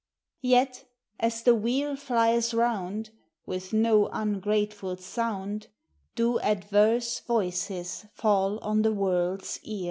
Yet, as the wheel flies round, With no ungrateful sound Do adverse voices fall on the world's ear.